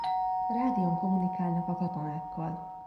Rádión kommunikálnak a katonákkal.